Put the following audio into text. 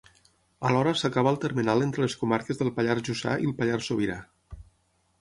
Alhora s'acaba el termenal entre les comarques del Pallars Jussà i el Pallars Sobirà.